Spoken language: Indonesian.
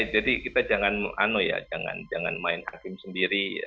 jadi kita jangan main akib sendiri